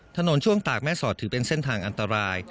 ช่วงตากแม่สอดถือเป็นเส้นทางอันตราย